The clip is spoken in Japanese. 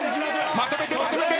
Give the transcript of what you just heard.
まとめてまとめて。